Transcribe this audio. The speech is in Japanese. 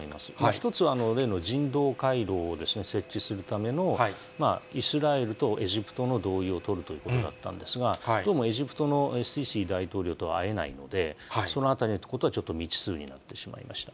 １つは、例の人道回廊を設置するための、イスラエルとエジプトの同意を取るということだったんですが、どうもエジプトのシシ大統領と会えないので、そのあたりのことはちょっと未知数になってしまいました。